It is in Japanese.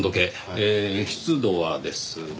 えー湿度はですね。